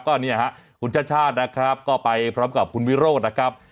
ก็เนี่ยฮะคุณชาติชาตินะครับก็ไปพร้อมกับคุณวิโรธนะครับ